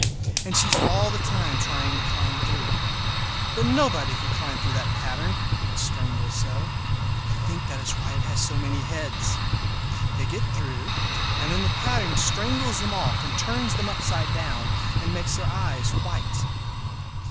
And she is all the time trying to climb through. But nobody could climb through that pattern—it strangles so; I think that is why it has so many heads. They get through, and then the pattern strangles them off and turns them upside down, and makes their eyes white!